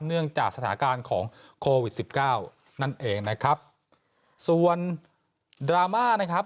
เนื่องจากสถานการณ์ของโควิดสิบเก้านั่นเองนะครับส่วนดราม่านะครับ